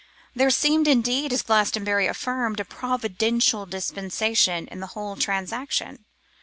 There seemed indeed, as Glastonbury affirmed, a providential dispensation in the whole transaction.